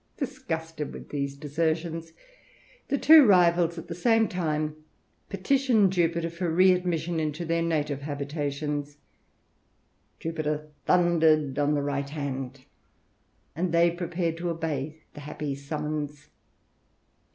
Disgusted with these desertions, the two rivals, at the same time, petitioned Jupiter for re admission to their native habitations. Jupiter thundered on the right hand, and they prepared to obey the happy summons.